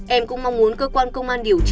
em cũng mong muốn cơ quan công an điều tra